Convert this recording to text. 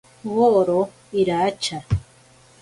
Woro iracha.